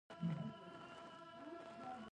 دښمن د تنقید له شا برید کوي